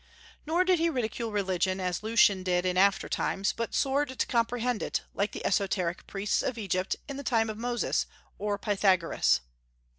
Nor did he ridicule religion, as Lucian did in after times, but soared to comprehend it, like the esoteric priests of Egypt in the time of Moses or Pythagoras.